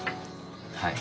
はい。